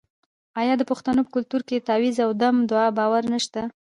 آیا د پښتنو په کلتور کې د تعویذ او دم دعا باور نشته؟